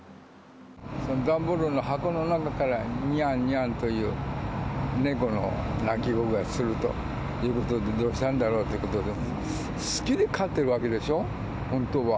段ボールの箱の中からにゃーにゃーという猫の鳴き声がするということで、どうしたんだろうということで、好きで飼ってるわけでしょ、本当は。